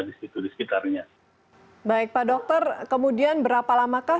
baik pak dokter kemudian berapa lamakah